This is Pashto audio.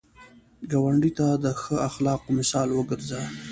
ګاونډي ته د ښه اخلاقو مثال وګرځه